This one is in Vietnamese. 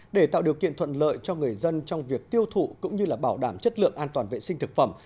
để tạo điều kiện thuận lợi cho người dân trong việc tiêu thụ cũng như là bảo đảm chất lượng an toàn vệ sinh thực phẩm